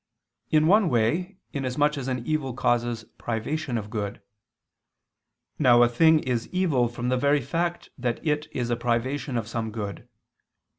In one way, inasmuch as an evil causes privation of good. Now a thing is evil from the very fact that it is a privation of some good.